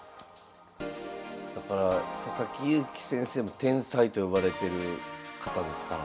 佐々木勇気先生も天才と呼ばれてる方ですからね。